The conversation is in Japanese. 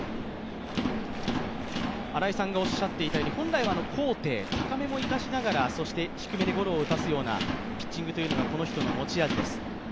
新井さんがおっしゃっていたように、本来は高低、そして低めにゴロを打たすようなピッチングというのがこの人の持ち味です。